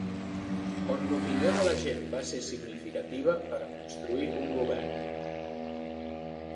On l'opinió de la gent va ser significativa per a construir un govern.